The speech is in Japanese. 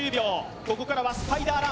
ここからはスパイダーラン。